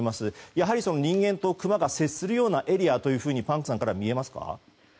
やはり人間とクマが接するようなエリアとパンクさんからみれますか？